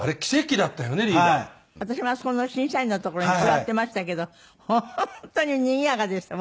私もあそこの審査員のところに座っていましたけど本当ににぎやかでしたもんね。